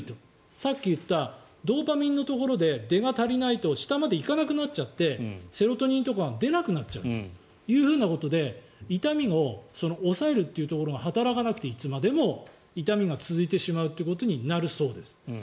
さっき言ったドーパミンのところで出が悪いと下まで行かなくなっちゃってセロトニンとかが出なくなっちゃうということで痛みを抑えるというところが働かなくていつまでも痛みが続いてしまうということになるそうです。